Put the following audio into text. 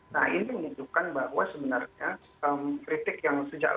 nah ini menunjukkan bahwa sebenarnya kritik yang sejak lama